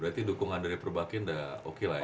berarti dukungan dari perbakin udah oke lah ya